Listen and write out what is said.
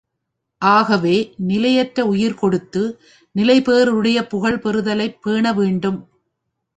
ஆகவே நிலையற்ற உயிர் கொடுத்து, நிலைபேறுடைய புகழ் பெறுதலைப் பேண வேண்டும்.